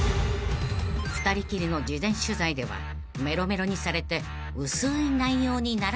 ［２人きりの事前取材ではメロメロにされて］